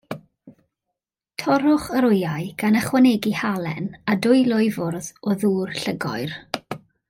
Torrwch y wyau, gan ychwanegu halen, a dwy lwy fwrdd o ddŵr llugoer.